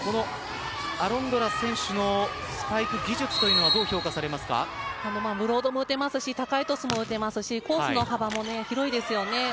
アロンドラ選手のスパイク技術というのはブロードも打てますし高いトスも打てますしコースの幅も広いですよね。